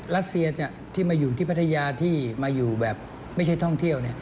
รัสเซียที่มาอยู่ที่พัทยาที่มาอยู่แบบไม่ใช่ท่องเที่ยว